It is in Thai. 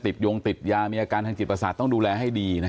ยงติดยามีอาการทางจิตประสาทต้องดูแลให้ดี